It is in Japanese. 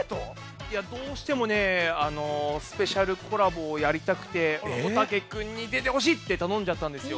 いやどうしてもねあのスペシャルコラボをやりたくておたけくんに「でてほしい」ってたのんじゃったんですよ。